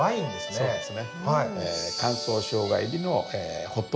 そうですね。